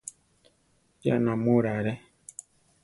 Ya námura are!